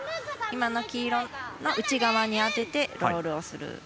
今の黄色の内側に当ててロールをする。